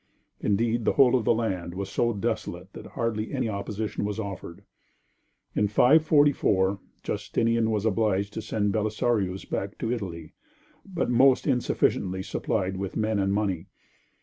Indeed the whole of the land was so desolate that hardly any opposition was offered. In 544 Justinian was obliged to send Belisarius back to Italy, but most insufficiently supplied with men and money.